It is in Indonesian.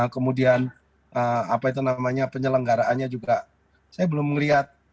kemudian apa itu namanya penyelenggaraannya juga saya belum melihat